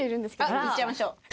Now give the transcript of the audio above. あっいっちゃいましょう。